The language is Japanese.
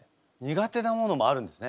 苦手なものもあるんですね。